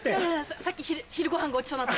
さっき昼ごはんごちそうになった。